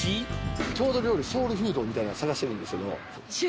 郷土料理ソウルフードみたいなん探してるんですけど。